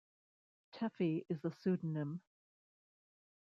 Teffi is a pseudonym.